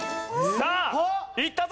さあいったぞ！